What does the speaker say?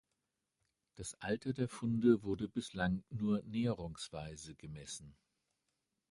Das Alter der Funde wurde bislang nur näherungsweise gemessen.